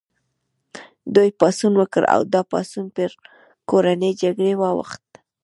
دوی پاڅون وکړ او دا پاڅون پر کورنۍ جګړې واوښت.